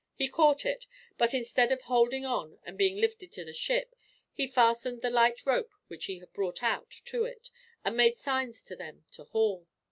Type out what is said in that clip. He caught it, but instead of holding on and being lifted to the ship, he fastened the light rope which he had brought out to it, and made signs to them to haul.